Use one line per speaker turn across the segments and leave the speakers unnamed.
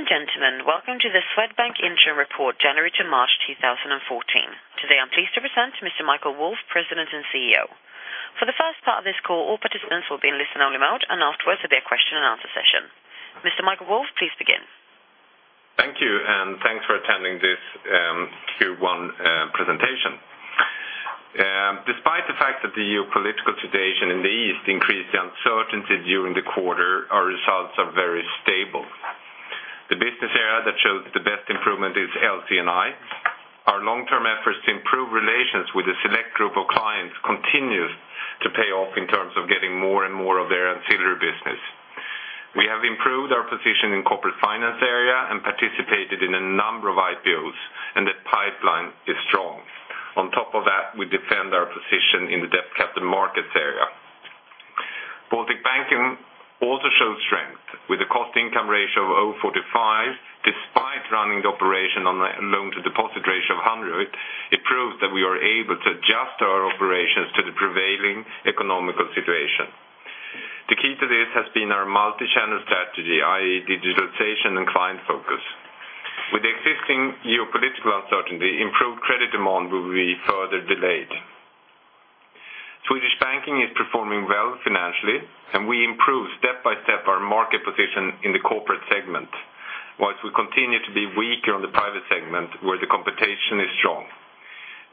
Ladies and gentlemen, welcome to the Swedbank Interim Report, January to March 2014. Today, I'm pleased to present Mr. Michael Wolf, President and CEO. For the first part of this call, all participants will be in listen-only mode, and afterwards, there will be a question and answer session. Mr. Michael Wolf, please begin.
Thank you, and thanks for attending this Q1 presentation. Despite the fact that the geopolitical situation in the East increased the uncertainty during the quarter, our results are very stable. The business area that shows the best improvement is LC&I. Our long-term efforts to improve relations with a select group of clients continues to pay off in terms of getting more and more of their ancillary business. We have improved our position in corporate finance area and participated in a number of IPOs, and the pipeline is strong. On top of that, we defend our position in the debt capital markets area. Baltic Banking also shows strength with a cost-income ratio of 45, despite running the operation on a loan to deposit ratio of 100. It proves that we are able to adjust our operations to the prevailing economic situation. The key to this has been our multi-channel strategy, i.e., digitalization and client focus. With the existing geopolitical uncertainty, improved credit demand will be further delayed. Swedish Banking is performing well financially, and we improve step by step our market position in the corporate segment, whilst we continue to be weaker on the private segment, where the competition is strong.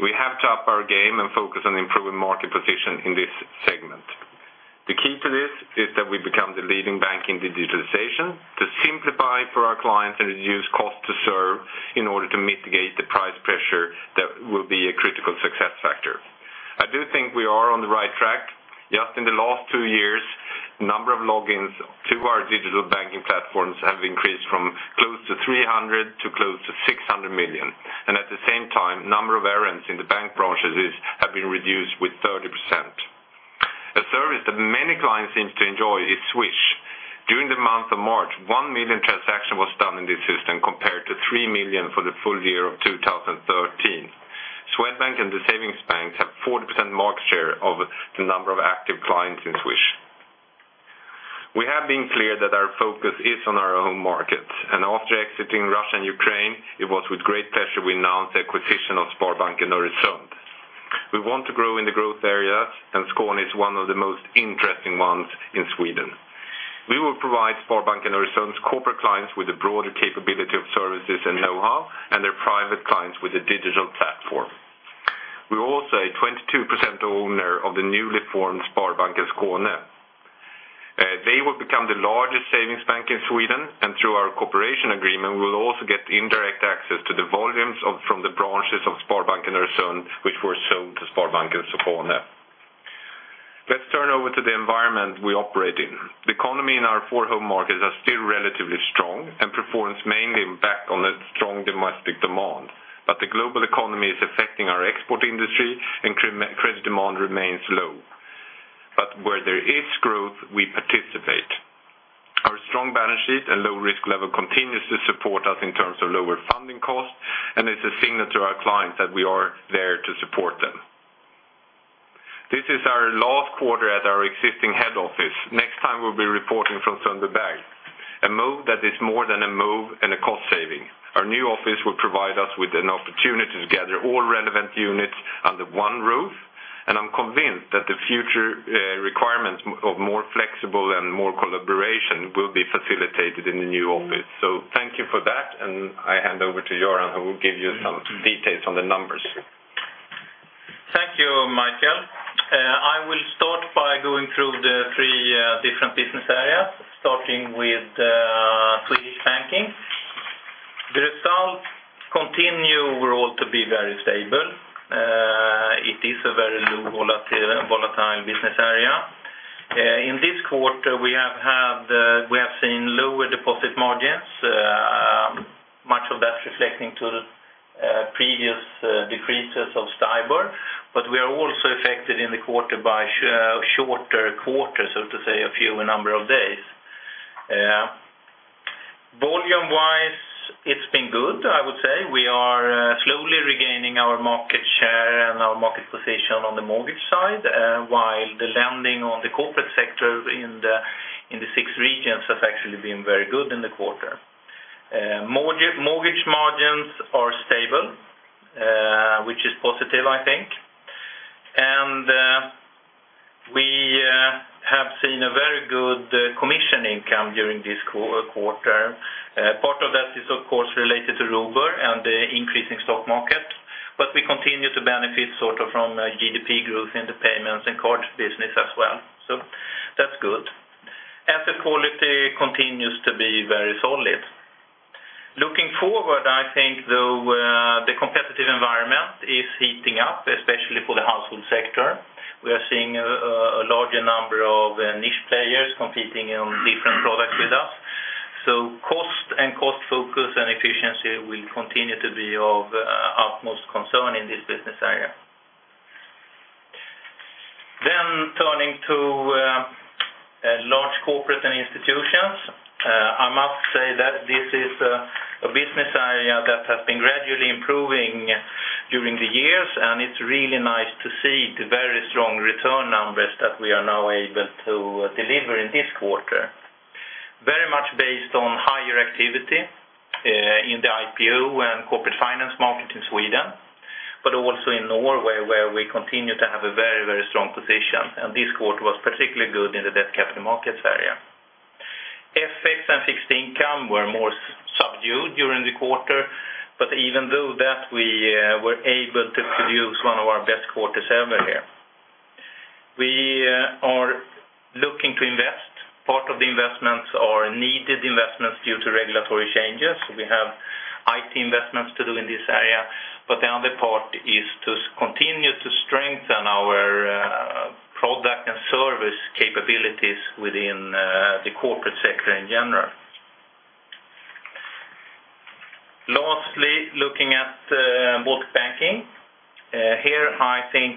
We have to up our game and focus on improving market position in this segment. The key to this is that we become the leading bank in digitalization to simplify for our clients and reduce cost to serve in order to mitigate the price pressure that will be a critical success factor. I do think we are on the right track. Just in the last two years, number of logins to our digital banking platforms have increased from close to 300 to close to 600 million, and at the same time, number of errands in the bank branches have been reduced with 30%. A service that many clients seem to enjoy is Swish. During the month of March, 1 million transaction was done in this system, compared to 3 million for the full year of 2013. Swedbank and the savings banks have 40% market share of the number of active clients in Swish. We have been clear that our focus is on our own market, and after exiting Russia and Ukraine, it was with great pleasure we announced the acquisition of Sparbanken Öresund. We want to grow in the growth areas, and Skåne is one of the most interesting ones in Sweden. We will provide Sparbanken Öresund corporate clients with a broader capability of services and know-how, and their private clients with a digital platform. We're also a 22% owner of the newly formed Sparbanken Skåne. They will become the largest savings bank in Sweden, and through our cooperation agreement, we will also get indirect access to the volumes of, from the branches of Sparbanken Öresund, which were sold to Sparbanken Skåne. Let's turn over to the environment we operate in. The economy in our four home markets are still relatively strong and performs mainly back on a strong domestic demand, but the global economy is affecting our export industry, and credit demand remains low. Where there is growth, we participate. Our strong balance sheet and low risk level continues to support us in terms of lower funding costs, and it's a signal to our clients that we are there to support them. This is our last quarter at our existing head office. Next time, we'll be reporting from Sundbyberg, a move that is more than a move and a cost saving. Our new office will provide us with an opportunity to gather all relevant units under one roof, and I'm convinced that the future, requirements of more flexible and more collaboration will be facilitated in the new office. So thank you for that, and I hand over to Göran, who will give you some details on the numbers.
Thank you, Michael. I will start by going through the three different business areas, starting with Swedish Banking. The results continue overall to be very stable. It is a very low volatile business area. In this quarter, we have seen lower deposit margins, much of that reflecting to previous decreases of STIBOR, but we are also affected in the quarter by shorter quarter, so to say, a fewer number of days. Volume-wise, it's been good, I would say. We are slowly regaining our market share and our market position on the mortgage side, while the lending on the corporate sector in the six regions has actually been very good in the quarter. Mortgage margins are stable, which is positive, I think. And, we have seen a very good commission income during this quarter. Part of that is, of course, related to ruble and the increasing stock market, but we continue to benefit sort of from GDP growth in the payments and card business as well. So that's good. Asset quality continues to be very solid. Looking forward, I think, though, the competitive environment is heating up, especially for the household sector. We are seeing a larger number of niche players competing on different products with us. So cost and cost focus and efficiency will continue to be of utmost concern in this business area. Then turning to large corporate and institutions, I must say that this is a business area that has been gradually improving during the years, and it's really nice to see the very strong... that we are now able to deliver in this quarter. Very much based on higher activity in the IPO and corporate finance market in Sweden, but also in Norway, where we continue to have a very, very strong position, and this quarter was particularly good in the debt capital markets area. FX and fixed income were more subdued during the quarter, but even though that we were able to produce one of our best quarters ever here. We are looking to invest. Part of the investments are needed investments due to regulatory changes. We have IT investments to do in this area, but the other part is to continue to strengthen our product and service capabilities within the corporate sector in general. Lastly, looking at Baltic Banking. Here, I think,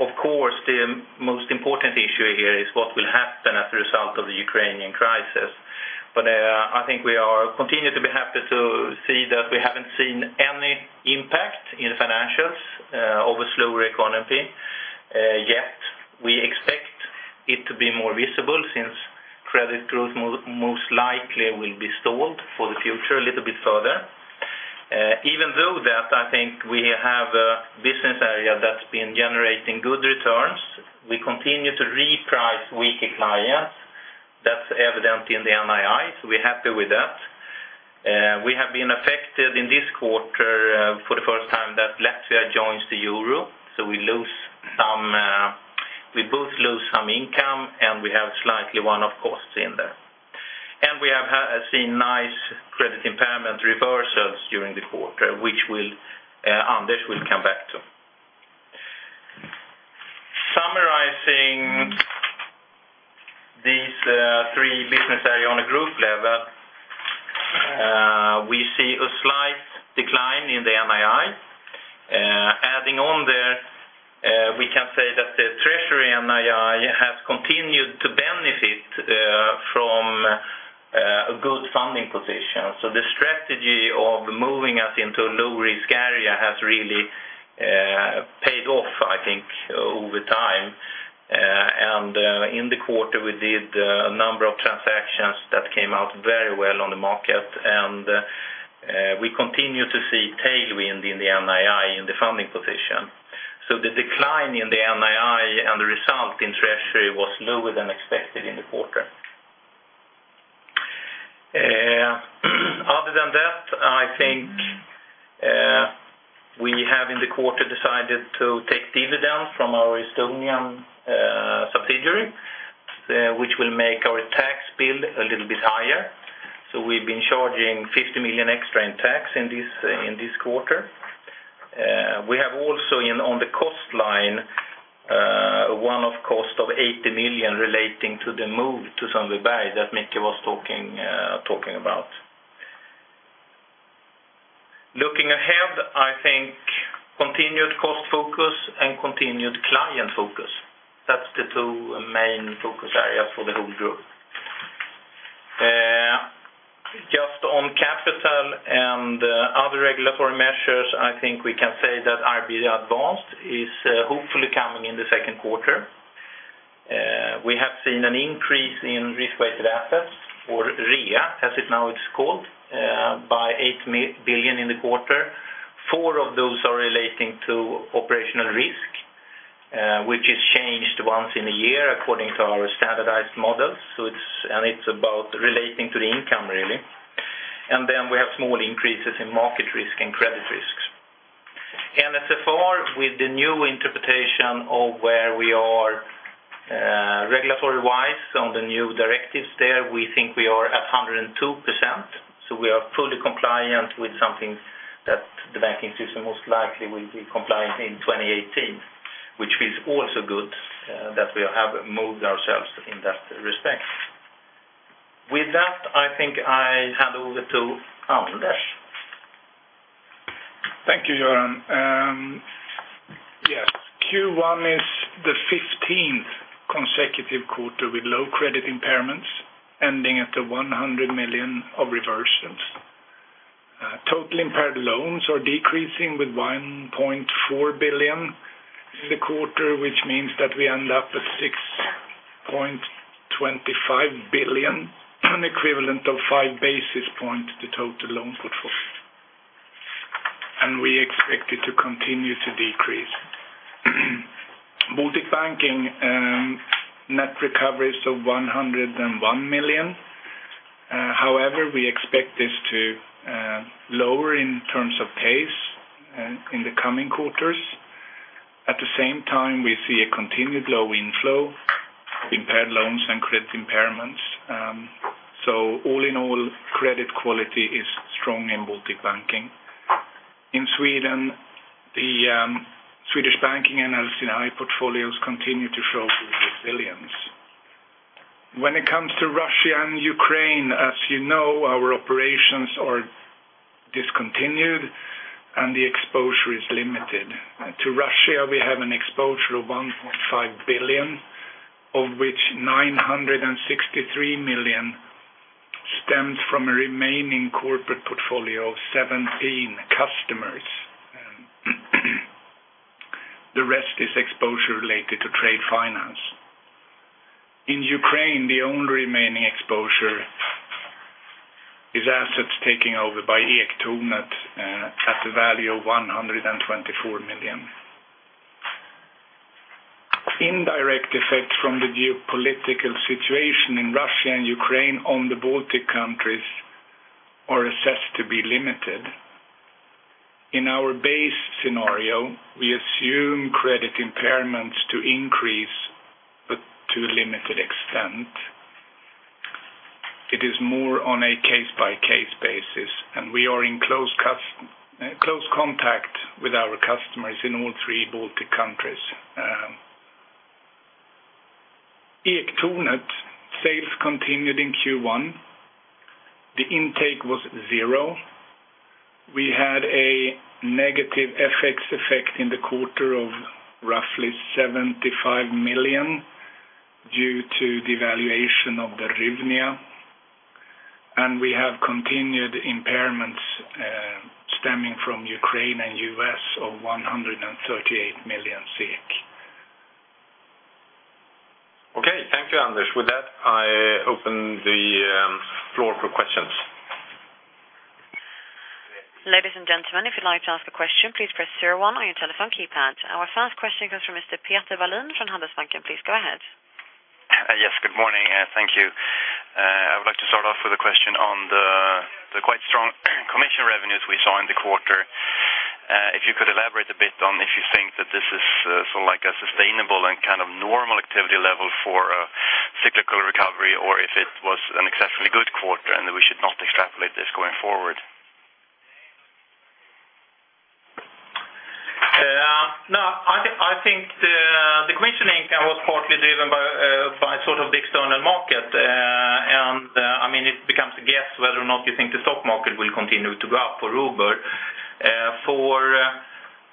of course, the most important issue here is what will happen as a result of the Ukrainian crisis. But, I think we are continuing to be happy to see that we haven't seen any impact in financials, of a slower economy. Yet, we expect it to be more visible since credit growth most likely will be stalled for the future a little bit further. Even though that, I think we have a business area that's been generating good returns, we continue to reprice weaker clients. That's evident in the NII, so we're happy with that. We have been affected in this quarter, for the first time that Latvia joins the euro, so we lose some, we both lose some income, and we have slightly one-off costs in there. We have seen nice credit impairment reversals during the quarter, which will, Anders will come back to. Summarizing these, three business area on a group level, we see a slight decline in the NII. Adding on there, we can say that the treasury NII has continued to benefit from a good funding position. So the strategy of moving us into a low-risk area has really paid off, I think, over time. And, in the quarter, we did a number of transactions that came out very well on the market, and we continue to see tailwind in the NII in the funding position. So the decline in the NII and the result in treasury was lower than expected in the quarter. Other than that, I think, we have in the quarter decided to take dividends from our Estonian subsidiary, which will make our tax bill a little bit higher. So we've been charging 50 million extra in tax in this quarter. We have also on the cost line, one-off cost of 80 million relating to the move to Sundbyberg that Micke was talking about. Looking ahead, I think continued cost focus and continued client focus. That's the two main focus areas for the whole group. Just on capital and other regulatory measures, I think we can say that IRB advanced is hopefully coming in the Q2. We have seen an increase in risk-weighted assets, or RWA, as it's now called, by 8 billion in the quarter. Four of those are relating to operational risk, which is changed once in a year, according to our standardized models. So it's, and it's about relating to the income, really. And then we have small increases in market risk and credit risks. NSFR, with the new interpretation of where we are, regulatory-wise on the new directives there, we think we are at 102%, so we are fully compliant with something that the banking system most likely will be compliant in 2018, which is also good, that we have moved ourselves in that respect. With that, I think I hand over to Anders.
Thank you, Göran. Yes, Q1 is the fifteenth consecutive quarter with low credit impairments, ending at 100 million of reversals. Total impaired loans are decreasing with 1.4 billion in the quarter, which means that we end up at 6.25 billion, an equivalent of five basis points to total loan portfolio. And we expect it to continue to decrease. Baltic Banking, net recovery is of 101 million. However, we expect this to lower in terms of pace in the coming quarters. At the same time, we see a continued low inflow, impaired loans, and credit impairments. So all in all, credit quality is strong in Baltic Banking. In Sweden, the Swedish Banking LC&I portfolios continue to show good resilience. When it comes to Russia and Ukraine, as you know, our operations are discontinued and the exposure is limited. To Russia, we have an exposure of 1.5 billion, of which 963 million stems from a remaining corporate portfolio of 17 customers. The rest is exposure related to trade finance. In Ukraine, the only remaining exposure is assets taken over by Ektornet at the value of 124 million. Indirect effect from the geopolitical situation in Russia and Ukraine on the Baltic countries are assessed to be limited. In our base scenario, we assume credit impairments to increase, but to a limited extent. It is more on a case-by-case basis, and we are in close contact with our customers in all three Baltic countries. Ektornet sales continued in Q1. The intake was 0. We had a negative FX effect in the quarter of roughly 75 million due to devaluation of the Hryvnia, and we have continued impairments stemming from Ukraine and US of 138 million.
Okay, thank you, Anders. With that, I open the floor for questions.
Ladies and gentlemen, if you'd like to ask a question, please press zero-one on your telephone keypad. Our first question comes from Mr. Peter Wallin, from Handelsbanken. Please go ahead.
Yes, good morning, thank you. I would like to start off with a question on the quite strong commission revenues we saw in the quarter. If you could elaborate a bit on if you think that this is sort of like a sustainable and kind of normal activity level for a cyclical recovery, or if it was an exceptionally good quarter, and we should not extrapolate this going forward?
No, I think the commission income was partly driven by sort of the external market. And, I mean, it becomes a guess whether or not you think the stock market will continue to go up or over. For LC&I,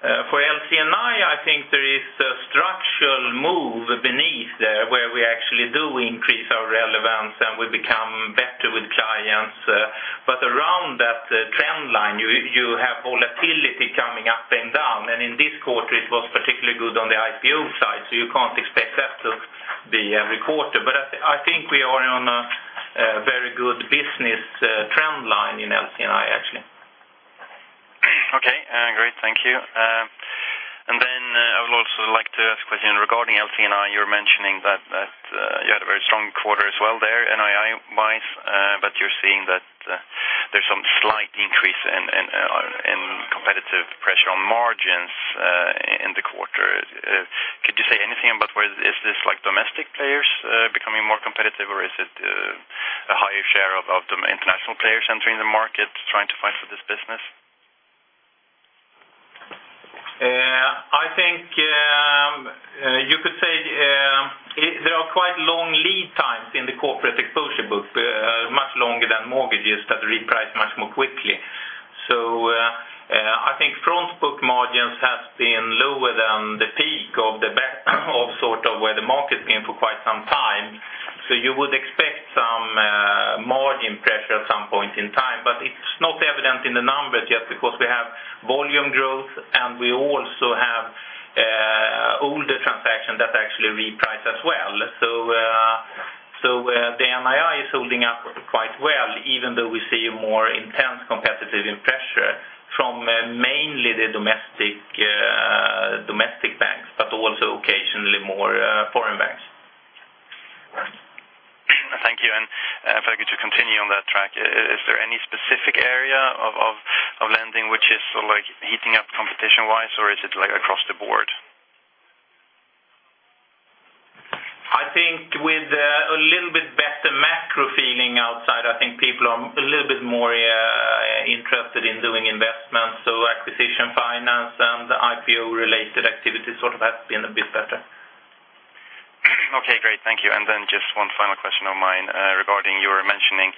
I think there is a structural move beneath there, where we actually do increase our relevance, and we become better with clients. But around that trend line, you have volatility coming up and down, and in this quarter, it was particularly good on the IPO side, so you can't expect that to be every quarter. But I think we are on a very good business trend line in LC&I, actually.
Okay, great. Thank you. And then, I would also like to ask a question regarding LC&I. You're mentioning that you had a very strong quarter as well there, NII-wise, but you're seeing that there's some slight increase in competitive pressure on margins in the quarter. Could you say anything about where... Is this, like, domestic players becoming more competitive, or is it a higher share of the international players entering the market, trying to fight for this business?
I think, you could say, there are quite long lead times in the corporate exposure book, much longer than mortgages that reprice much more quickly. So, I think front book margins has been lower than the peak of the back, of sort of where the market's been for quite some time. So you would expect some, margin pressure at some point in time, but it's not evident in the numbers yet, because we have volume growth, and we also have, older transactions that actually reprice as well. So, so, the NII is holding up quite well, even though we see a more intense competitive pressure from mainly the domestic, domestic banks, but also occasionally more, foreign banks.
Thank you, and if I could just continue on that track. Is there any specific area of lending which is sort of like heating up competition-wise, or is it, like, across the board?
I think with a little bit better macro feeling outside, I think people are a little bit more interested in doing investments. So acquisition finance and IPO-related activities sort of have been a bit better.
Okay, great. Thank you. And then just one final question of mine, regarding your mentioning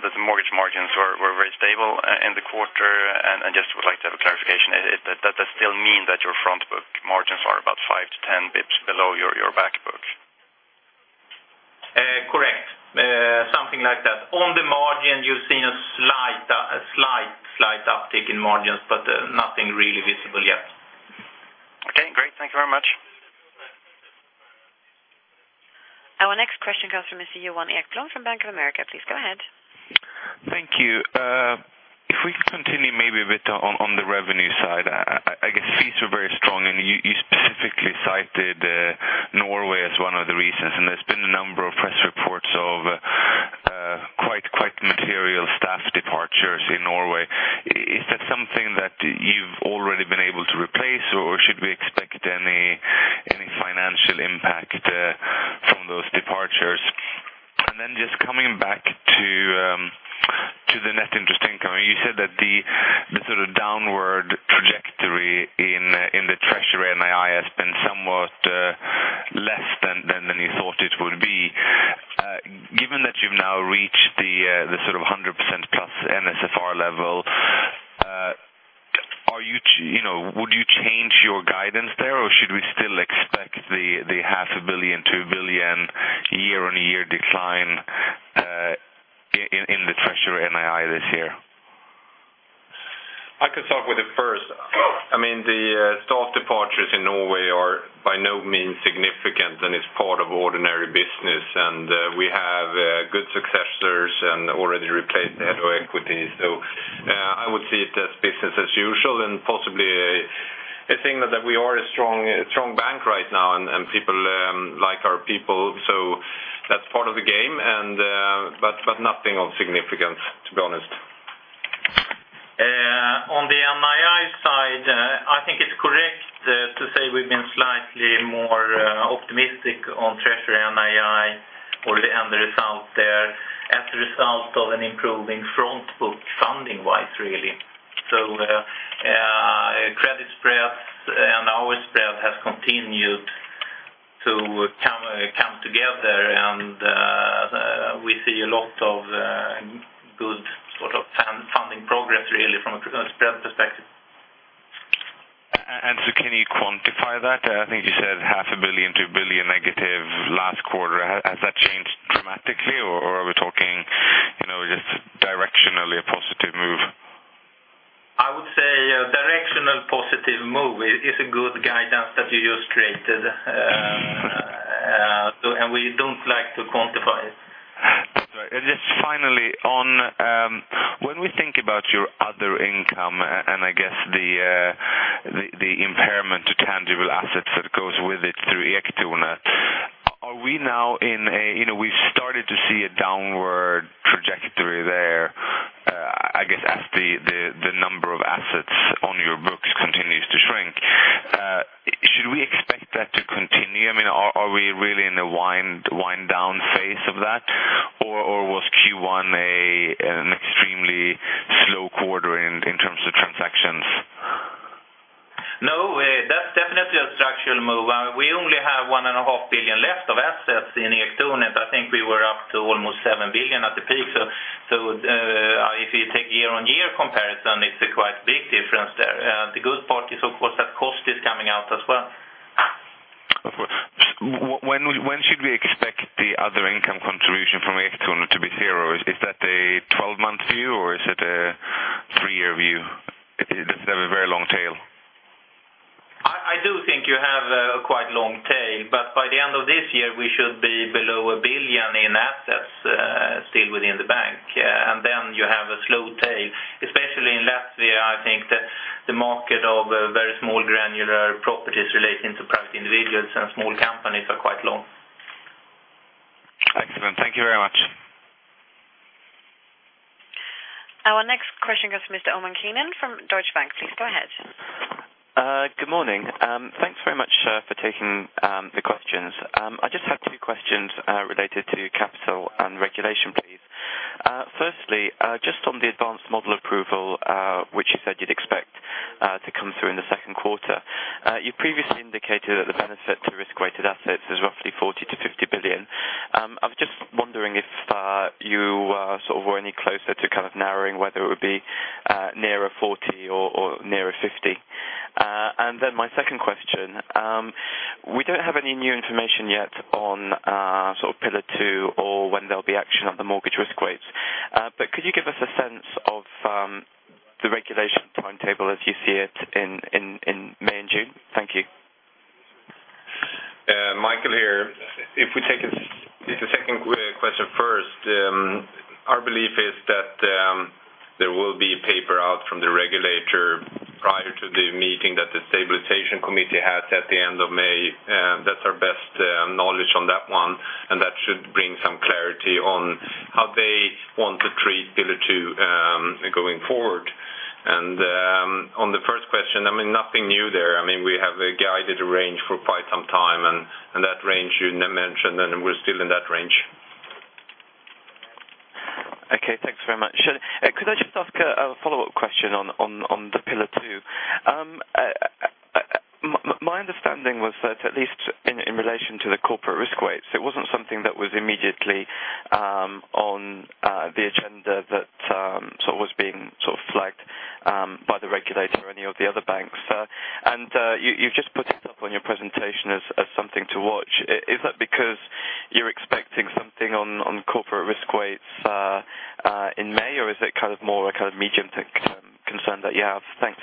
that the mortgage margins were very stable in the quarter, and I just would like to have a clarification. Does that still mean that your front book margins are about 5-10 bps below your back book?
Correct. Something like that. On the margin, you're seeing a slight—a slight uptick in margins, but nothing really visible yet.
Okay, great. Thank you very much.
Our next question comes from Mr. Johan Ekblom from Bank of America. Please go ahead.
Thank you. If we could continue maybe a bit on the revenue side. I guess fees were very strong, and you specifically cited Norway as one of the reasons, and there's been a number of press reports of quite material staff departures in Norway. Is that something that you've already been able to replace, or should we expect any financial impact from those departures? And then just coming back to the net interest income. You said that the sort of downward trajectory in the treasury NII has been somewhat less than you thought it would be. Given that you've now reached the... billion, SEK 2 billion year-on-year decline in the treasury NII this year?
I can start with the first. I mean, the staff departures in Norway are by no means significant, and it's part of ordinary business, and we have good successors and already replaced the head of equity. So, I would see it as business as usual and possibly a thing that we are a strong bank right now, and people like our people. So that's part of the game, and but nothing of significance, to be honest.
On the NII side, I think it's correct to say we've been slightly more optimistic on treasury NII or the end result there, as a result of an improving front book funding-wise, really. So, credit spreads and our spread has continued to come together, and we see a lot of good sort of funding progress really, from a spread perspective.
And so can you quantify that? I think you said 0.5 billion-1 billion negative last quarter. Has that changed dramatically or are we talking, you know, just directionally a positive move?
I would say a directional positive move is a good guidance that you just created, and we don't like to quantify it.
And just finally, on, when we think about your other income, and I guess the impairment to tangible assets that goes with it through Ektornet, are we now in a—you know, we've started to see a downward trajectory there, I guess, as the number of assets on your books continues to shrink. Should we expect that to continue? I mean, are we really in the wind down phase of that, or was Q1 an extremely slow quarter in terms of transactions?
No, that's definitely a structural move. We only have 1.5 billion left of assets in Ektornet. I think we were up to almost 7 billion at the peak. So, so, if you take year-on-year comparison, it's a quite big difference there. The good part is, of course, that cost is coming out as well.
Of course. When should we expect the other income contribution from Ektornet to be zero? Is that a 12-month view, or is it a three-year view? It does have a very long tail.
I do think you have a quite long tail, but by the end of this year, we should be below 1 billion in assets, still within the bank. Yeah, and then you have a slow tail, especially in Latvia. I think the market of a very small granular properties relating to private individuals and small companies are quite long.
Excellent. Thank you very much.
Our next question comes from Mr. Omar Keenan from Deutsche Bank. Please go ahead.
Good morning. Thanks very much for taking the questions. I just have two questions related to capital and regulation, please. Firstly, just on the advanced model approval, which you said you'd expect to come through in the Q2. You previously indicated that the benefit to risk-weighted assets is roughly 40 billion-50 billion. I was just wondering if you sort of were any closer to kind of narrowing whether it would be nearer 40 or nearer 50. And then my second question, we don't have any new information yet on sort of Pillar Two, or when there'll be action on the mortgage risk weights. But could you give us a sense of the regulation timetable as you see it in May and June? Thank you.
Michael, here. If we take it, the second question first, our belief is that, there will be paper out from the regulator prior to the meeting that the Stabilization Committee has at the end of May. That's our best, knowledge on that one, and that should bring some clarity on how they want to treat Pillar Two, going forward. On the first question, I mean, nothing new there. I mean, we have a guided range for quite some time, and, and that range you mentioned, and we're still in that range.
Okay, thanks very much. Could I just ask a follow-up question on the Pillar II? My understanding was that at least in relation to the corporate risk weights, it wasn't something that was immediately on the agenda that so was being sort of flagged by the regulator or any of the other banks. You've just put it up on your presentation as something to watch. Is that because you're expecting something on corporate risk weights in May, or is it kind of more a kind of medium term concern that you have? Thanks.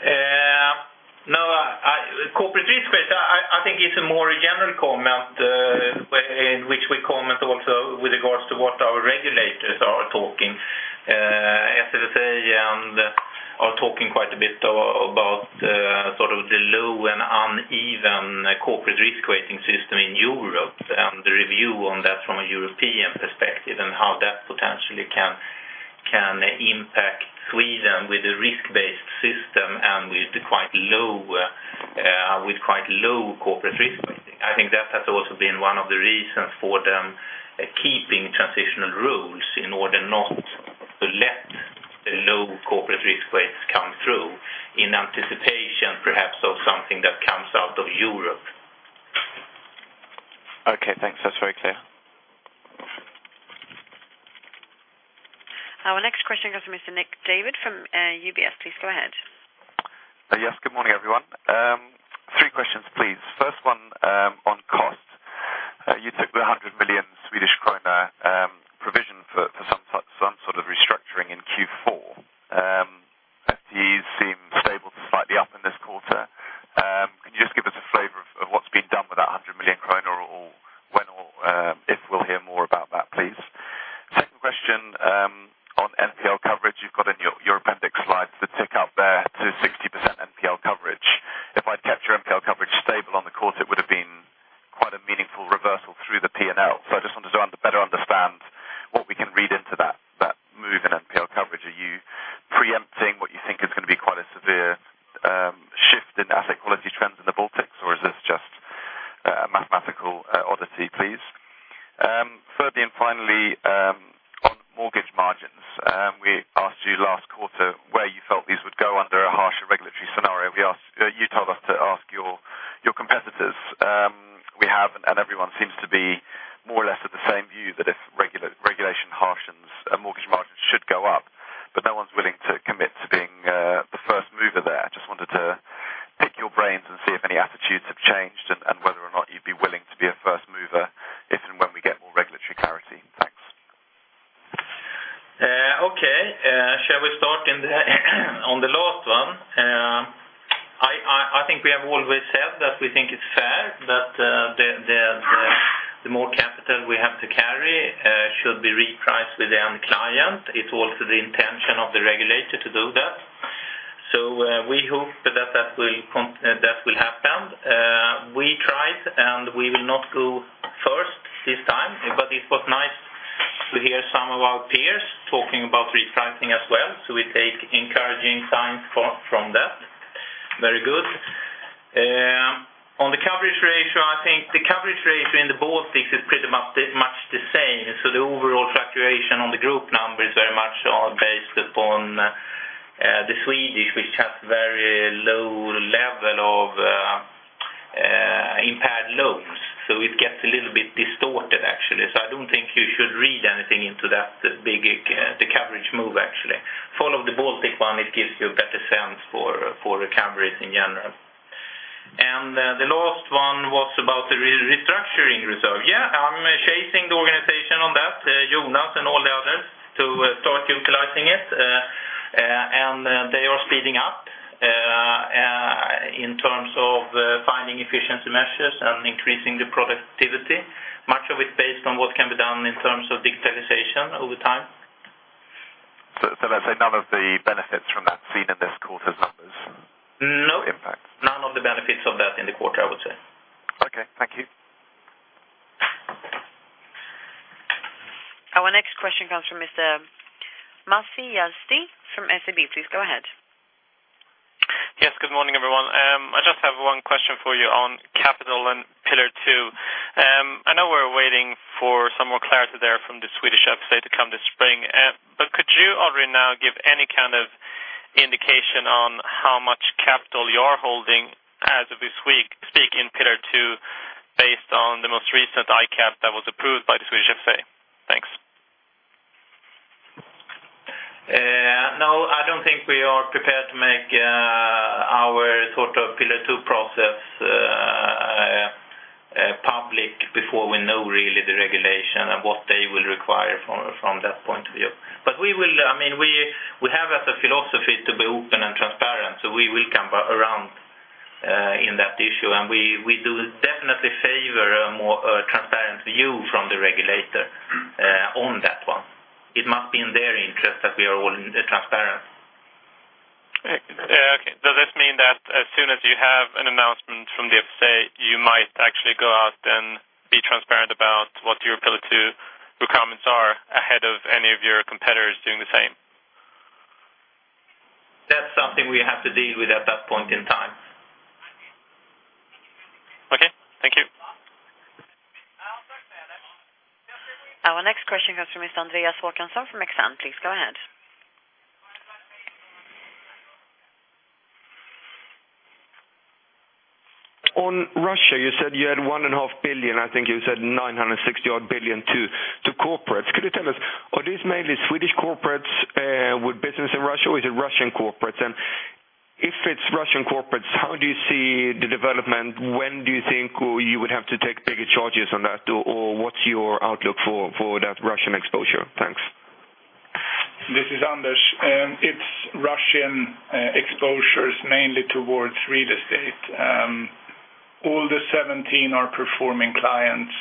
No, I think it's a more general comment, where in which we comment also with regards to what our regulators are talking. As I say, and are talking quite a bit about sort of the low and uneven corporate risk weighting system in Europe, and the review on that from a European perspective, and how that potentially can impact Sweden with a risk-based system and with quite low corporate risk weighting. I think that has also been one of the reasons for them keeping transitional rules in order not to let the low corporate risk weights come through in anticipation, perhaps, of something that comes out of Europe.
Okay, thanks. That's very clear. ...
Our next question comes from Mr. Nick Davey from UBS. Please go ahead.
Yes, good morning, everyone. Three questions, please. First one, on cost. You took the 100 million Swedish kronor provision for some sort of restructuring in Q4. These seem stable to slightly up in this quarter. Can you just give us a flavor of what's been done with that 100 million kronor, or when or if we'll hear more about that, please? Second question, on NPL coverage. You've got in your appendix slides, the tick up there to 60% NPL coverage. If I'd kept your NPL coverage stable on the course, it would have been quite a meaningful reversal through the P&L. So I just wanted to better understand what we can read into that move in NPL coverage. Are you preempting what you think is going to be quite a severe shift in asset quality trends in the Baltics, or is this just a mathematical oddity, please? Thirdly, and finally, on mortgage margins. We asked you last quarter where you felt these would go under a harsher regulatory scenario. We asked—you told us to ask your competitors. We have, and everyone seems to be more or less of the same view, that if regulation harshens, mortgage margins should go up, but no one's willing to commit to being the first mover there. I just wanted to pick your brains and see if any attitudes have changed, and whether or not you'd be willing to be a first mover, if and when we get more regulatory clarity. Thanks.
Okay. Shall we start on the last one? I think we have always said that we think it's fair that the more capital we have to carry should be repriced with the end client. It's also the intention of the regulator to do that. So, we hope that will happen. We tried, and we will not go first this time, but it was nice to hear some of our peers talking about repricing as well, so we take encouraging signs from that. Very good. On the coverage ratio, I think the coverage ratio in the Baltics is pretty much the same. So the overall fluctuation on the group number is very much based upon the Swedish, which has very low level of impaired loans. So it gets a little bit distorted, actually. So I don't think you should read anything into that big, the coverage move, actually. Follow the Baltic one, it gives you a better sense for the coverage in general. And the last one was about the restructuring reserve. Yeah, I'm chasing the organization on that, Jonas and all the others, to start utilizing it. And they are speeding up in terms of finding efficiency measures and increasing the productivity. Much of it based on what can be done in terms of digitalization over time.
So, let's say none of the benefits from that seen in this quarter's numbers-
No.
Impact.
None of the benefits of that in the quarter, I would say.
Okay, thank you.
Our next question comes from Mr. Masih Yazdi from SEB. Please go ahead.
Yes, good morning, everyone. I just have one question for you on capital and Pillar Two. I know we're waiting for some more clarity there from the Swedish FSA to come this spring. But could you already now give any kind of indication on how much capital you are holding as of this week in Pillar Two, based on the most recent ICAAP that was approved by the Swedish FSA? Thanks.
No, I don't think we are prepared to make our sort of Pillar Two process public before we know really the regulation and what they will require from that point of view. But we will... I mean, we have as a philosophy to be open and transparent, so we will come around in that issue. And we do definitely favor a more transparent view from the regulator on that one. It must be in their interest that we are all in the transparent.
Okay. Does this mean that as soon as you have an announcement from the FSA, you might actually go out and be transparent about what your Pillar Two requirements are, ahead of any of your competitors doing the same?
That's something we have to deal with at that point in time.
Okay, thank you.
Our next question comes from Mr. Andreas Håkansson from Exane. Please go ahead.
On Russia, you said you had 1.5 billion, I think you said 960 billion to, to corporates. Could you tell us, are these mainly Swedish corporates with business in Russia, or is it Russian corporates? And if it's Russian corporates, how do you see the development? When do you think you would have to take bigger charges on that, or, or what's your outlook for, for that Russian exposure? Thanks.
This is Anders. It's Russian exposures mainly towards real estate. All the 17 are performing clients.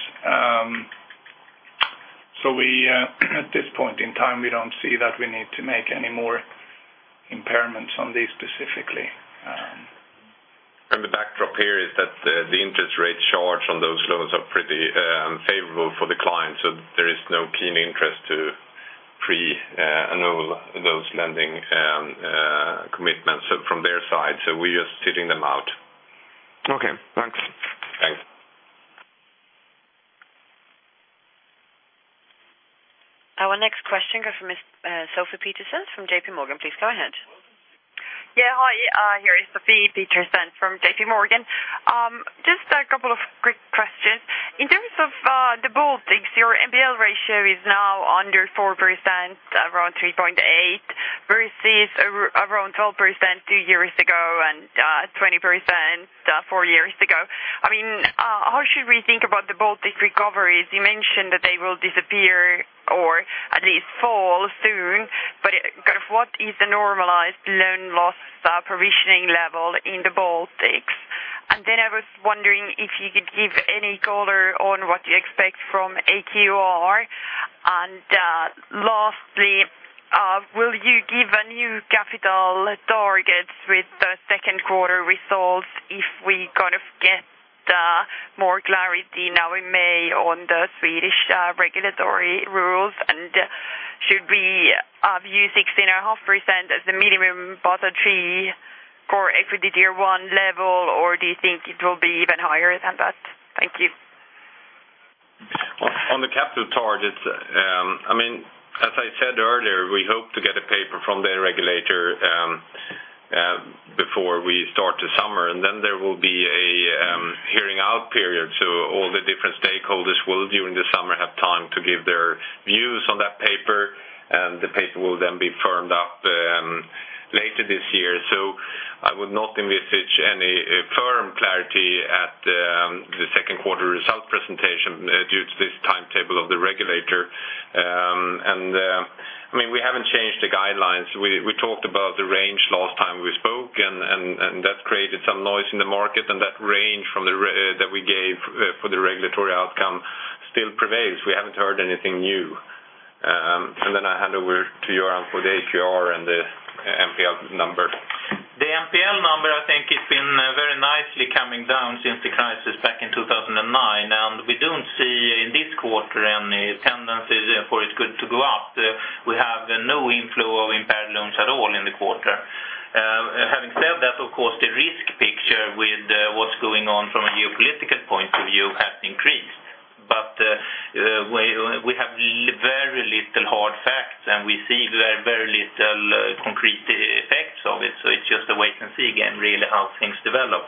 So we, at this point in time, we don't see that we need to make any more impairments on these specifically.
The backdrop here is that the interest rates charged on those loans are pretty favorable for the client, so there is no keen interest to annul those lending commitments, so from their side, so we're just sitting them out.
Okay, thanks.
Thanks.
Our next question comes from Miss, Sofie Peterzensfrom JP Morgan. Please go ahead....
Yeah, hi, here is Sofie Peterzens from JP Morgan. Just a couple of quick questions. In terms of the Baltics, your NPL ratio is now under 4%, around 3.8%, versus around 12% two years ago, and 20%, four years ago. I mean, how should we think about the Baltic recoveries? You mentioned that they will disappear or at least fall soon, but kind of what is the normalized loan loss provisioning level in the Baltics? And then I was wondering if you could give any color on what you expect from AQR. And lastly, will you give a new capital target with the Q2 results if we kind of get more clarity now in May on the Swedish regulatory rules? Should we use 16.5% as the minimum Basel III for equity tier one level, or do you think it will be even higher than that? Thank you.
On the capital targets, I mean, as I said earlier, we hope to get a paper from the regulator before we start the summer, and then there will be a hearing out period. So all the different stakeholders will, during the summer, have time to give their views on that paper, and the paper will then be firmed up later this year. So I would not envisage any firm clarity at the Q2 result presentation due to this timetable of the regulator. I mean, we haven't changed the guidelines. We talked about the range last time we spoke, and that created some noise in the market, and that range that we gave for the regulatory outcome still prevails. We haven't heard anything new. And then I hand over to you, Johan, for the AQR and the NPL number.
The NPL number, I think it's been very nicely coming down since the crisis back in 2009, and we don't see in this quarter any tendency for it good to go up. We have no inflow of impaired loans at all in the quarter. Having said that, of course, the risk picture with what's going on from a geopolitical point of view has increased. But we have very little hard facts, and we see very, very little concrete effects of it, so it's just a wait-and-see game, really, how things develop.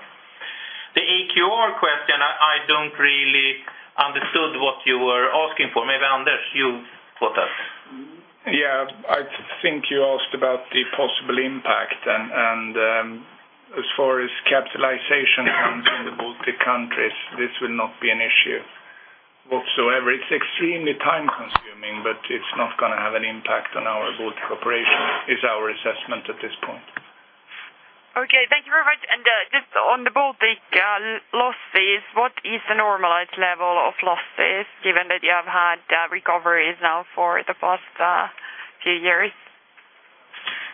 The AQR question, I don't really understood what you were asking for. Maybe, Anders, you put that.
Yeah, I think you asked about the possible impact and, as far as capitalization comes in the Baltic countries, this will not be an issue whatsoever. It's extremely time-consuming, but it's not gonna have an impact on our Baltic operation, is our assessment at this point.
Okay, thank you very much. Just on the Baltic losses, what is the normalized level of losses, given that you have had recoveries now for the past few years?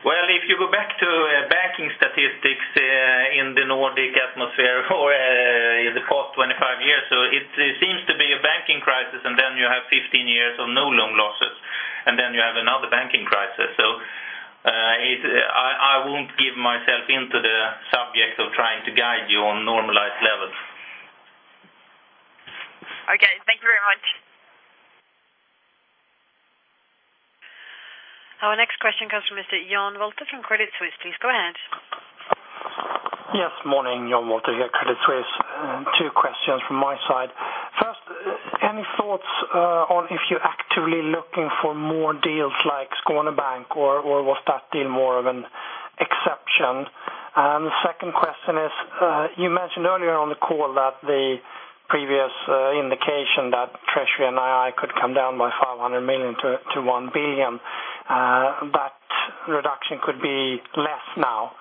Well, if you go back to banking statistics in the Nordic atmosphere or in the past 25 years, so it seems to be a banking crisis, and then you have 15 years of no loan losses, and then you have another banking crisis. So, I won't give myself into the subject of trying to guide you on normalized levels.
Okay, thank you very much.
Our next question comes from Mr. Jan Wolter from Credit Suisse. Please go ahead.
Yes, morning, Jan Wolter here, Credit Suisse. Two questions from my side. First, any thoughts on if you're actively looking for more deals like Skåne Bank, or was that deal more of an exception? And the second question is, you mentioned earlier on the call that the previous indication that treasury NII could come down by 500 million-1 billion, that reduction could be less now.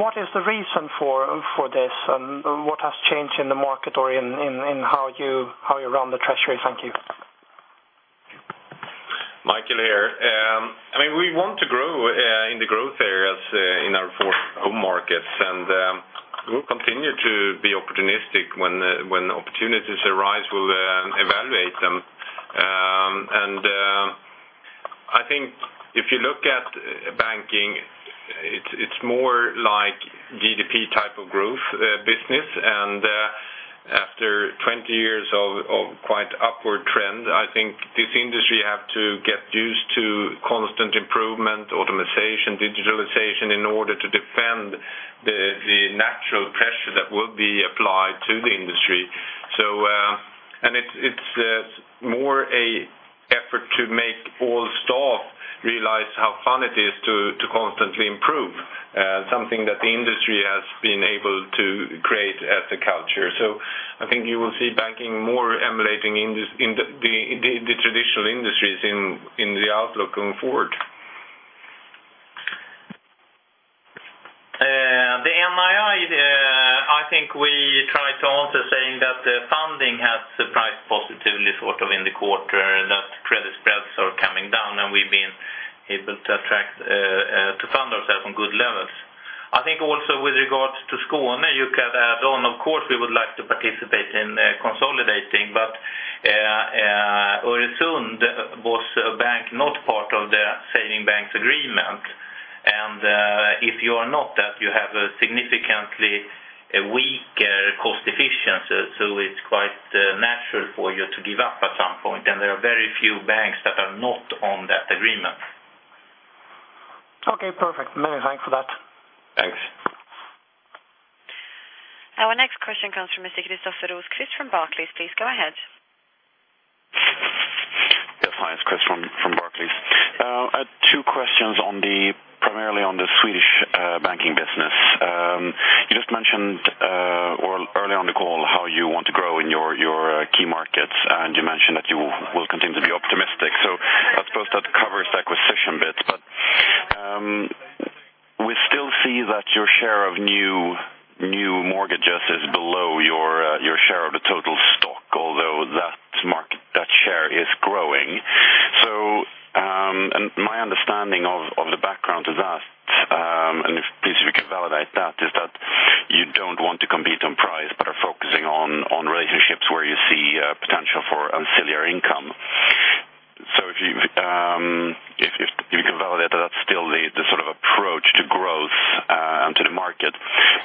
What is the reason for this, and what has changed in the market or in how you run the treasury? Thank you.
Michael here. I mean, we want to grow in the growth areas in our four home markets, and we'll continue to be opportunistic. When opportunities arise, we'll evaluate them. And, I think if you look at banking, it's, it's more like GDP type of growth, business. And, after 20 years of, of quite upward trend, I think this industry have to get used to constant improvement, automation, digitalization, in order to defend the, the natural pressure that will be applied to the industry. So, and it's, it's, more a effort to make all staff realize how fun it is to, to constantly improve, something that the industry has been able to create as a culture. So I think you will see banking more emulating industries in the, the, the traditional industries in, in the outlook going forward.
The NII, I think we tried to answer, saying that the funding has surprised positively, sort of, in the quarter, and that credit spreads are coming down, and we've been able to attract to fund ourselves on good levels. I think also with regards to Skåne, you can add on, of course, we would like to participate in consolidating, but Öresund was a bank not part of the selling bank's agreement. And if you are not that, you have a significantly-...
a weak cost efficiency, so it's quite natural for you to give up at some point, and there are very few banks that are not on that agreement.
Okay, perfect. Many thanks for that.
Thanks.
Our next question comes from Mr. Christopher Rose. Chris from Barclays, please go ahead.
Yes, hi, it's Chris from Barclays. I have two questions on the primarily on the Swedish Banking business. You just mentioned, or early on the call, how you want to grow in your key markets, and you mentioned that you will continue to be optimistic. So I suppose that covers the acquisition bit, but we still see that your share of new mortgages is below your share of the total stock, although that market share is growing. So, and my understanding of the background to that, and if please, if you can validate that, is that you don't want to compete on price, but are focusing on relationships where you see potential for ancillary income. So if you can validate that that's still the sort of approach to growth and to the market.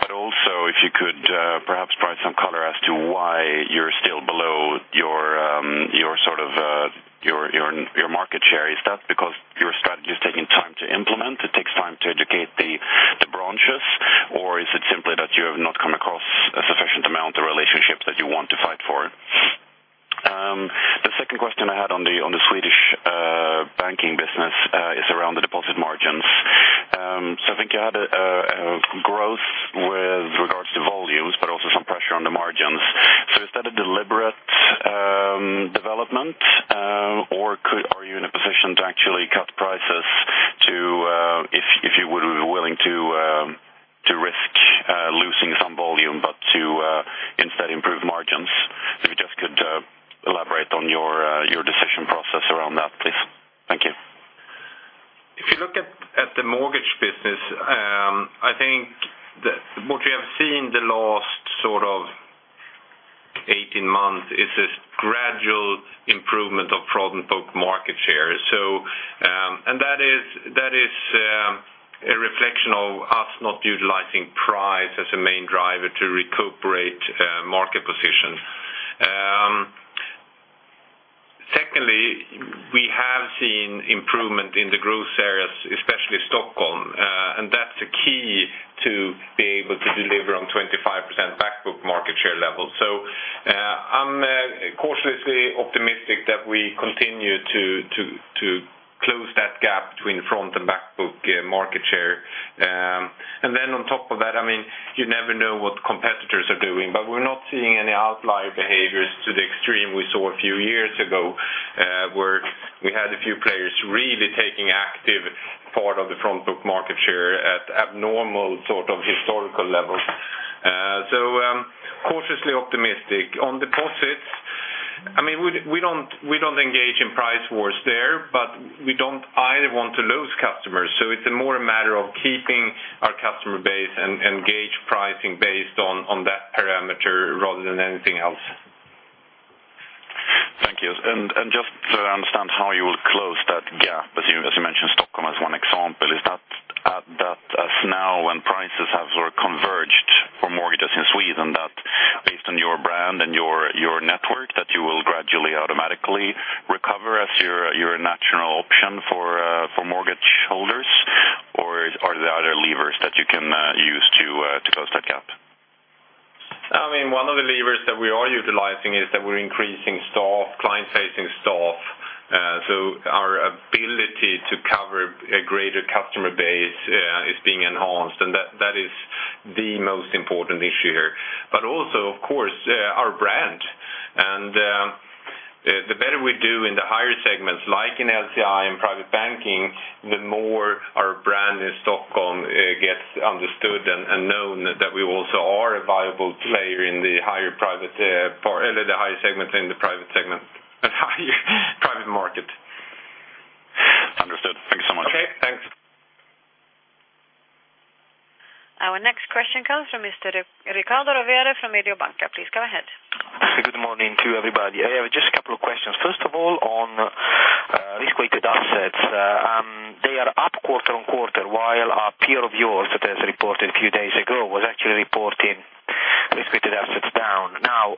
But also, if you could perhaps provide some color as to why you're still below your sort of market share. Is that because your strategy is taking time to implement, it takes time to educate the branches, or is it simply that you have not come across a sufficient amount of relationships that you want to fight for? The second question I had on the Swedish Banking business is around the deposit margins. So I think you had a growth with regards to volumes, but also some pressure on the margins. So is that a deliberate development, or are you in a position to actually cut prices to, if, if you would be willing to, to risk, losing some volume, but to, instead improve margins? If you just could, elaborate on your, your decision process around that, please. Thank you.
If you look at the mortgage business, I think that what we have seen in the last sort of 18 months is this gradual improvement of front book market share. So, and that is a reflection of us not utilizing price as a main driver to recuperate market position. Secondly, we have seen improvement in the growth areas, especially Stockholm, and that's the key to being able to deliver on 25% back book market share level. So, I'm cautiously optimistic that we continue to close that gap between front and back book market share. And then on top of that, I mean, you never know what competitors are doing, but we're not seeing any outlier behaviors to the extreme we saw a few years ago, where we had a few players really taking active part of the front book market share at abnormal sort of historical levels. So, cautiously optimistic. On deposits, I mean, we, we don't, we don't engage in price wars there, but we don't either want to lose customers. So it's a more a matter of keeping our customer base and, and gauge pricing based on, on that parameter rather than anything else.
Thank you. Just to understand how you will close that gap, as you mentioned, Stockholm as one example, is that, as now when prices have sort of converged for mortgages in Sweden, that based on your brand and your network, that you will gradually, automatically recover as your natural option for mortgage holders? Or are there other levers that you can use to close that gap?
I mean, one of the levers that we are utilizing is that we're increasing staff, client-facing staff, so our ability to cover a greater customer base is being enhanced, and that is the most important issue here. But also, of course, our brand, and the better we do in the higher segments, like in LCI and private banking, the more our brand in Stockholm gets understood and known that we also are a viable player in the higher private, or the higher segments in the private segment, and higher private market.
Understood. Thank you so much.
Okay, thanks.
Our next question comes from Mr. Riccardo Rovere from Mediobanca. Please go ahead.
Good morning to you, everybody. I have just a couple of questions. First of all, on risk-weighted assets. They are up quarter-over-quarter, while a peer of yours that has reported a few days ago was actually reporting risk-weighted assets down. Now,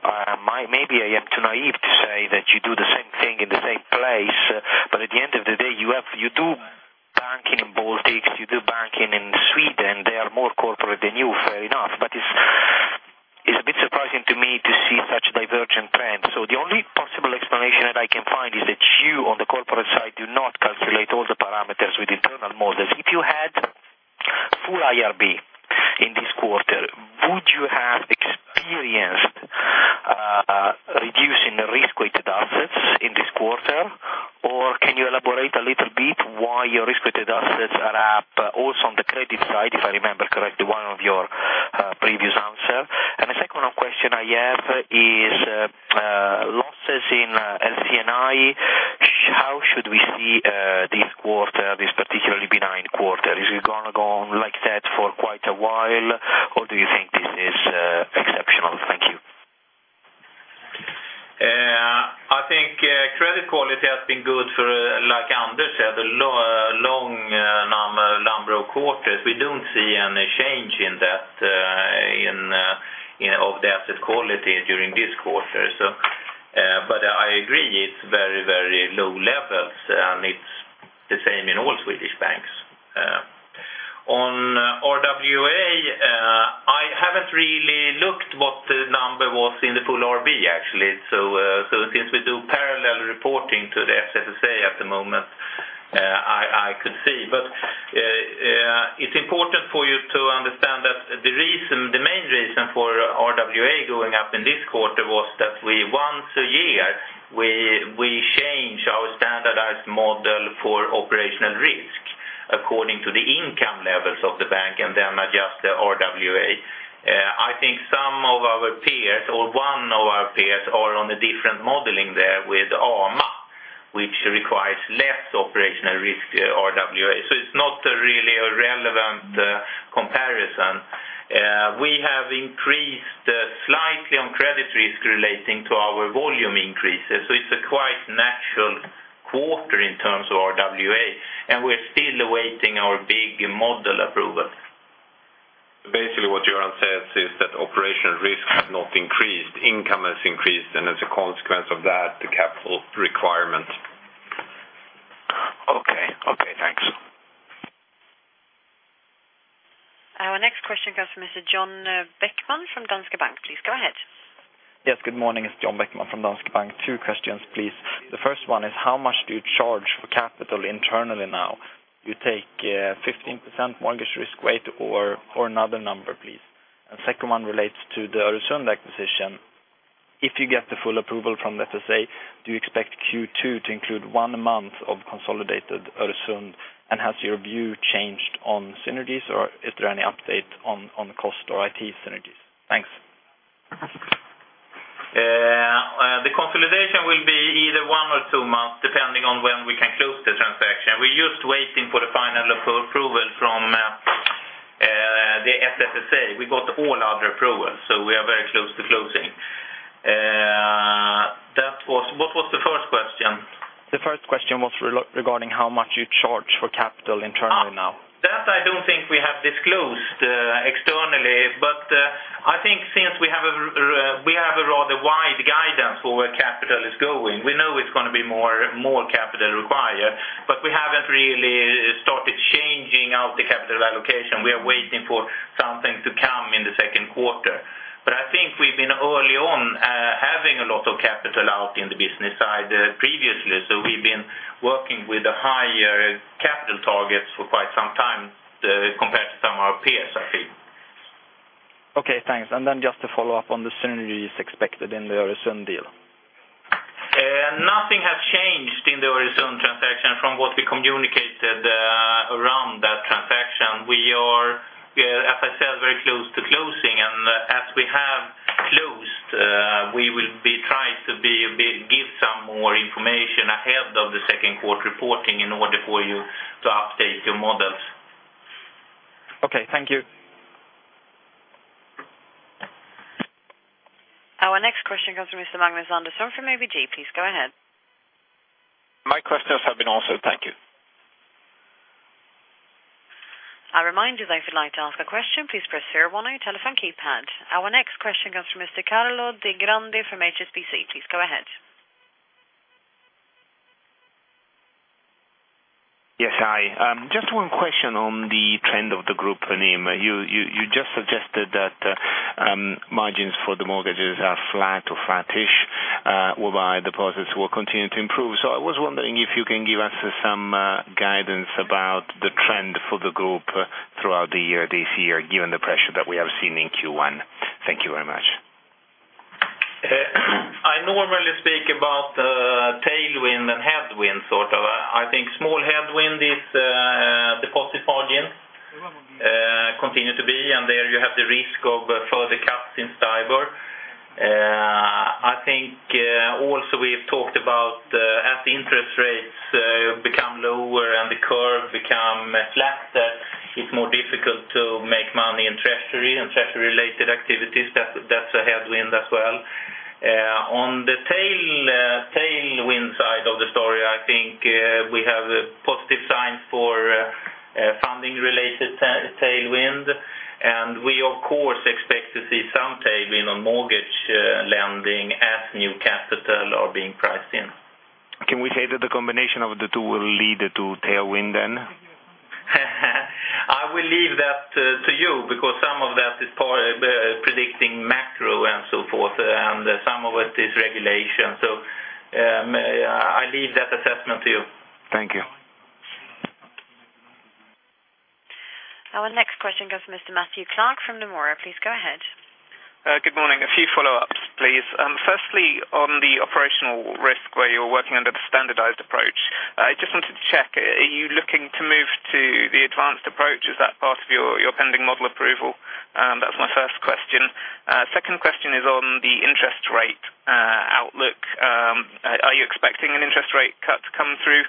maybe I am too naive to say that you do the same thing in the same place, but at the end of the day, you have, you do banking in the Baltics, you do banking in Sweden. They are more corporate than you, fair enough, but it's a bit surprising to me to see such divergent trends. So the only possible explanation that I can find is that you, on the corporate side, do not calculate all the parameters with internal models. If you had full IRB in this quarter, would you have experienced reducing the risk-weighted assets in this quarter? Can you elaborate a little bit why your risk-weighted assets are up also on the credit side, if I remember correctly, one of your previous answer? The second question I have is losses in LC&I. How should we see this quarter, this particularly benign quarter? Is it gonna go on like that for quite a while, or do you think this is exceptional?...
That's been good for, like Anders said, a long number of quarters. We don't see any change in that of the asset quality during this quarter. So, but I agree, it's very, very low levels, and it's the same in all Swedish banks. On RWA, I haven't really looked what the number was in the full IRB, actually. So since we do parallel reporting to the SFSA at the moment, I could see. But, it's important for you to understand that the reason, the main reason for RWA going up in this quarter was that we once a year, we change our standardized model for operational risk according to the income levels of the bank and then adjust the RWA. I think some of our peers, or one of our peers, are on a different modeling there with AMA, which requires less operational risk RWA. So it's not really a relevant comparison. We have increased slightly on credit risk relating to our volume increases, so it's a quite natural quarter in terms of RWA, and we're still awaiting our big model approval.
Basically, what Göran says is that operational risk has not increased. Income has increased, and as a consequence of that, the capital requirement.
Okay. Okay, thanks.
Our next question comes from Mr. John Beckman from Danske Bank. Please go ahead.
Yes, good morning. It's John Beckman from Danske Bank. Two questions, please. The first one is how much do you charge for capital internally now? You take 15% mortgage risk weight or another number, please? And second one relates to the Öresund acquisition. If you get the full approval from the FSA, do you expect Q2 to include one month of consolidated Öresund? And has your view changed on synergies, or is there any update on the cost or IT synergies? Thanks.
The consolidation will be either one or two months, depending on when we can close the transaction. We're just waiting for the final approval from the SFSA. We got all other approvals, so we are very close to closing. That was... What was the first question?
The first question was regarding how much you charge for capital internally now.
Ah! That I don't think we have disclosed externally, but I think since we have a rather wide guidance for where capital is going, we know it's gonna be more capital required, but we haven't really started changing out the capital allocation. We are waiting for something to come in the Q2. But I think we've been early on having a lot of capital out in the business side previously, so we've been working with a higher capital target for quite some time compared to some of our peers, I think.
Okay, thanks. Then just to follow up on the synergies expected in the Öresund deal.
Nothing has changed in the Öresund transaction from what we communicated around that transaction. We are, as I said, very close to closing, and as we have closed, we will be trying to give some more information ahead of the Q2 reporting in order for you to update your models.
Okay, thank you.
Our next question comes from Mr. Magnus Andersson from ABG. Please go ahead.
My questions have been answered. Thank you.
I remind you that if you'd like to ask a question, please press zero one on your telephone keypad. Our next question comes from Mr. Carlo DeGrande from HSBC. Please go ahead.
Yes, hi. Just one question on the trend of the group NIM. You just suggested that margins for the mortgages are flat or flattish, whereby deposits will continue to improve. So I was wondering if you can give us some guidance about the trend for the group throughout the year, this year, given the pressure that we have seen in Q1. Thank you very much.
I normally speak about tailwind and headwind, sort of. I think small headwind is deposit margin continue to be, and there you have the risk of further cuts in STIBOR. I think also we've talked about as interest rates become lower and the curve become flatter, it's more difficult to make money in treasury and treasury-related activities. That's a headwind as well. On the tailwind side of the story, I think we have positive signs for funding-related tailwind, and we, of course, expect to see some tailwind on mortgage lending as new capital are being priced in.
Can we say that the combination of the two will lead to tailwind then?
I will leave that to you, because some of that is predicting macro and so forth, and some of it is regulation. I leave that assessment to you.
Thank you.
Our next question comes from Mr. Matthew Clark, from Nomura. Please go ahead.
Good morning. A few follow-ups, please. Firstly, on the operational risk, where you're working under the standardized approach, I just wanted to check, are you looking to move to the advanced approach? Is that part of your, your pending model approval? That's my first question. Second question is on the interest rate outlook. Are you expecting an interest rate cut to come through...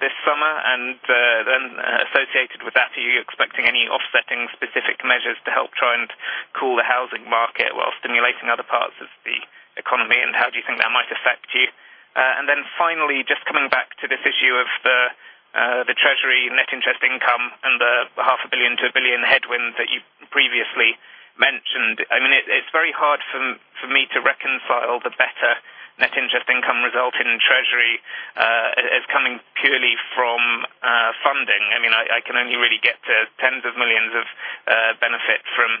this summer, and then associated with that, are you expecting any offsetting specific measures to help try and cool the housing market while stimulating other parts of the economy? And how do you think that might affect you? And then finally, just coming back to this issue of the the treasury net interest income and the 0.5 billion-1 billion headwind that you previously mentioned. I mean, it's very hard for me to reconcile the better net interest income result in treasury as coming purely from funding. I mean, I can only really get to tens of millions SEK of benefit from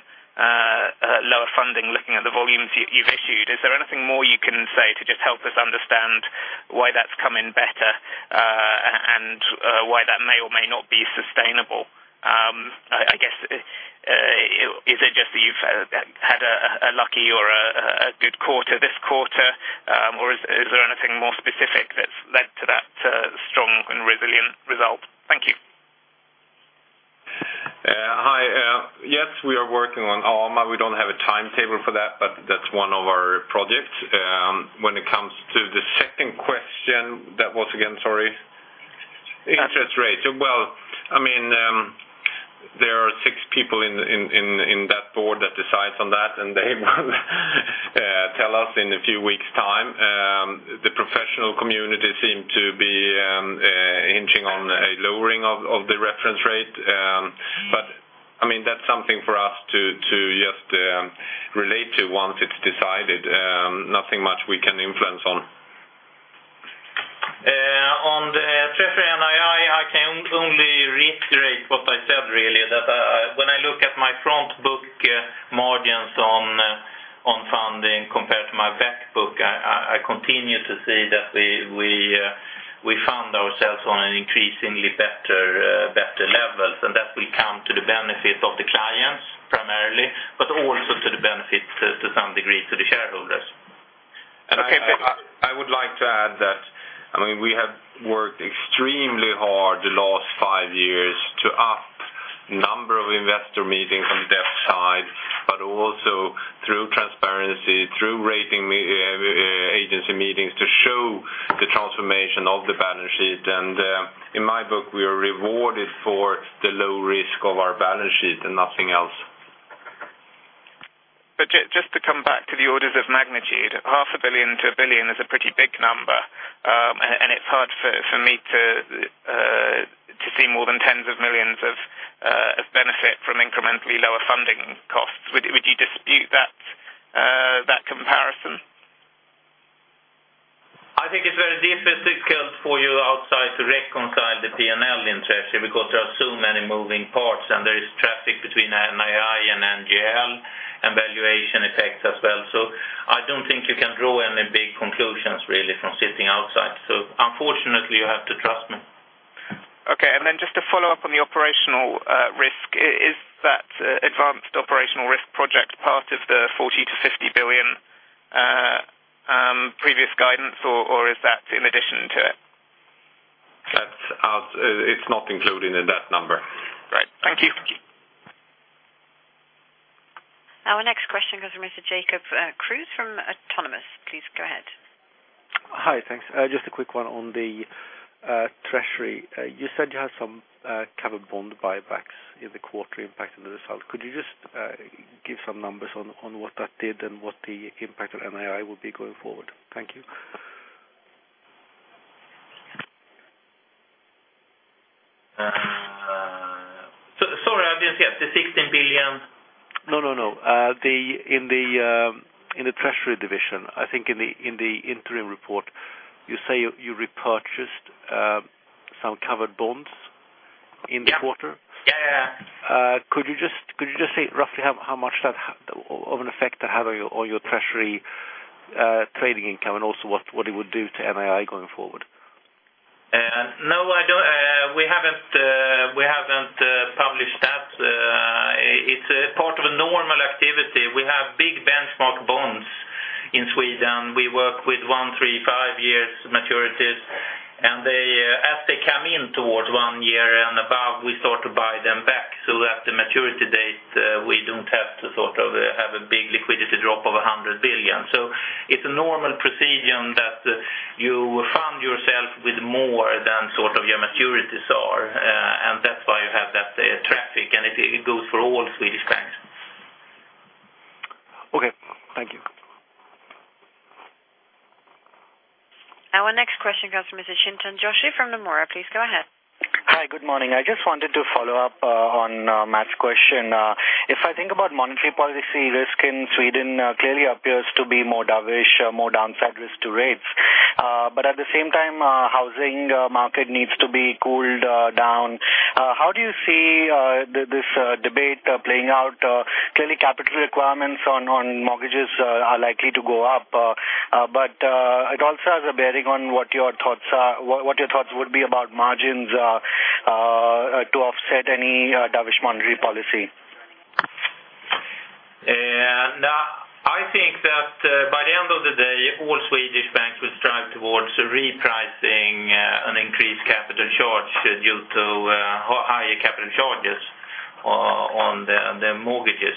lower funding, looking at the volumes you've issued. Is there anything more you can say to just help us understand why that's coming better and why that may or may not be sustainable? I guess is it just that you've had a lucky or a good quarter this quarter or is there anything more specific that's led to that strong and resilient result? Thank you.
Hi. Yes, we are working on AMA. We don't have a timetable for that, but that's one of our projects. When it comes to the second question, that was, again, sorry?
Interest rates.
Interest rates. Well, I mean, there are six people in that board that decides on that, and they will tell us in a few weeks time. The professional community seem to be inching on a lowering of the reference rate. But, I mean, that's something for us to just relate to once it's decided, nothing much we can influence on.
On the treasury NII, I can only reiterate what I said really, that, when I look at my front book, margins on funding compared to my back book, I continue to see that we fund ourselves on an increasingly better levels. And that will come to the benefit of the clients primarily, but also to the benefit, to some degree, to the shareholders.
I, I would like to add that, I mean, we have worked extremely hard the last five years to up number of investor meetings on debt side, but also through transparency, through rating agency meetings, to show the transformation of the balance sheet. In my book, we are rewarded for the low risk of our balance sheet and nothing else.
But just to come back to the orders of magnitude, 500 million-1 billion is a pretty big number. And it's hard for me to see more than tens of millions of benefit from incrementally lower funding costs. Would you dispute that comparison?
I think it's very difficult for you outside to reconcile the PNL in treasury, because there are so many moving parts, and there is traffic between NII and NGL, and valuation effects as well. So I don't think you can draw any big conclusions really from sitting outside. So unfortunately, you have to trust me.
Okay, and then just to follow up on the operational risk, is that advanced operational risk project part of the 40 billion-50 billion previous guidance, or is that in addition to it?
That's. It's not included in that number.
Right. Thank you.
Our next question comes from Mr. Jacob Kruse from Autonomous. Please go ahead.
Hi, thanks. Just a quick one on the treasury. You said you had some covered bond buybacks in the quarter impact on the result. Could you just give some numbers on what that did and what the impact on NII will be going forward? Thank you.
So sorry, I didn't get the 16 billion.
No, no, no. In the treasury division, I think in the interim report, you say you repurchased some covered bonds in the quarter.
Yeah. Yeah, yeah.
Could you just say roughly how much of an effect that would have on your treasury trading income, and also what it would do to NII going forward?
No, I don't—we haven't published that. It's a part of a normal activity. We have big benchmark bonds in Sweden. We work with one, three, five years maturities, and they, as they come in towards one year and above, we start to buy them back. So at the maturity date, we don't have to sort of have a big liquidity drop of 100 billion. So it's a normal procedure that you fund yourself with more than sort of your maturities are, and that's why you have that traffic, and it goes for all Swedish banks.
Okay, thank you.
Our next question comes from Mr. Chintan Joshi from Nomura. Please go ahead.
Hi, good morning. I just wanted to follow up on Maths' question. If I think about monetary policy risk in Sweden, clearly appears to be more dovish, more downside risk to rates. But at the same time, housing market needs to be cooled down. How do you see this debate playing out? Clearly, capital requirements on mortgages are likely to go up, but it also has a bearing on what your thoughts are. What your thoughts would be about margins to offset any dovish monetary policy.
I think that by the end of the day, all Swedish banks will strive towards repricing an increased capital charge due to higher capital charges on the mortgages.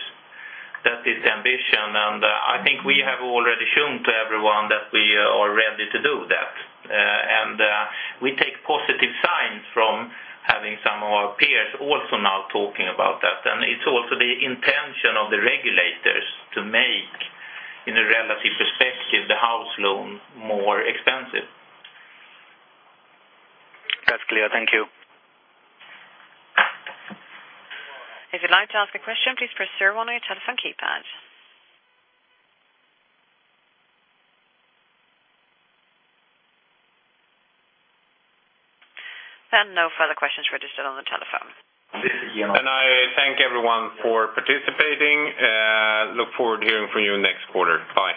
That is the ambition, and I think we have already shown to everyone that we are ready to do that. We take positive signs from having some of our peers also now talking about that. It's also the intention of the regulators to make, in a relative perspective, the house loan more expensive.
That's clear. Thank you.
If you'd like to ask a question, please press star one on your telephone keypad. No further questions registered on the telephone.
I thank everyone for participating, look forward to hearing from you next quarter. Bye.